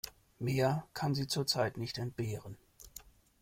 Mehr kann sie zurzeit nicht entbehren.